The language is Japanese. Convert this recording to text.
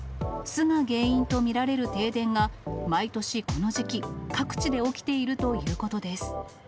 巣が原因と見られる停電が、毎年この時期、各地で起きているということです。